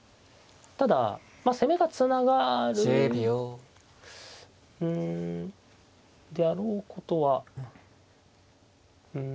ただ攻めがつながるうんであろうことはうん確実ですかね。